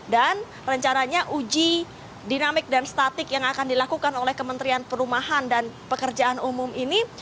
dan rencananya uji dinamik dan statik yang akan dilakukan oleh kementerian perumahan dan pekerjaan umum ini